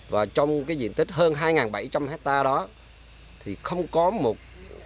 và trong cái diện tích hơn hai bảy trăm linh hectare đó thì không có một